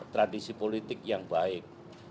tradisi politik yang baik